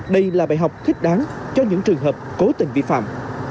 đây là bài học thích đáng cho những trường hợp cố tình vi phạm